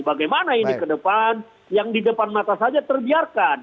bagaimana ini ke depan yang di depan mata saja terbiarkan